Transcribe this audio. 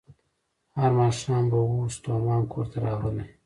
هر ماښام به وو ستومان کورته راغلی